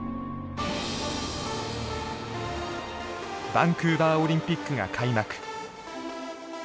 バンクーバーオリンピックが開幕。